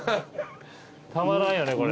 たまらんよねこれ。